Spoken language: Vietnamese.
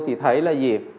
thì thấy là gì